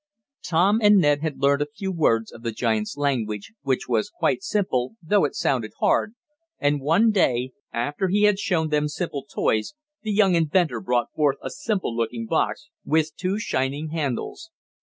Tom and Ned had learned a few words of the giant's language, which was quite simple, though it sounded hard, and one day, after he had shown them simple toys, the young inventor brought forth a simple looking box, with two shining handles.